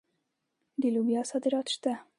د لوبیا صادرات شته.